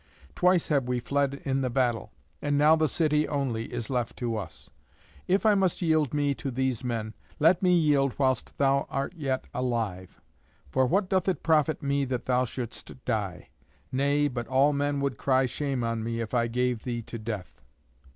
Twice have we fled in the battle, and now the city only is left to us. If I must yield me to these men, let me yield whilst thou art yet alive. For what doth it profit me that thou shouldst die? Nay, but all men would cry shame on me if I gave thee to death!"